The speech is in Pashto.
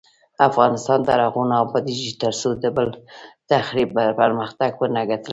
افغانستان تر هغو نه ابادیږي، ترڅو د بل تخریب پرمختګ ونه ګڼل شي.